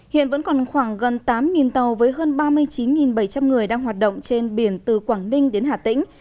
hiện vẫn còn khoảng gần tám tàu với hơn ba mươi chín bảy trăm linh người đang hoạt động trên biển từ quảng ninh đến hà tĩnh